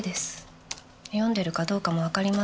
読んでるかどうかもわかりません。